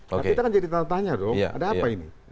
nah kita kan jadi tanda tanya dong ada apa ini